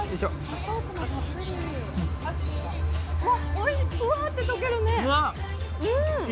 おいしい、ふわって溶けるね。